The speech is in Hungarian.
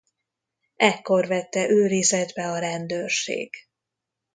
Ekkor vette őrizetbe a rendőrség.